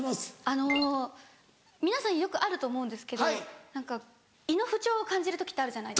あの皆さんよくあると思うんですけど何か胃の不調を感じる時ってあるじゃないですか。